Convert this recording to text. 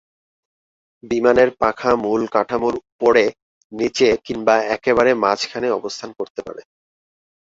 বিমানের পাখা মূল কাঠামোর উপরে, নিচে কিংবা একেবারে মাঝখানে অবস্থান করতে পারে।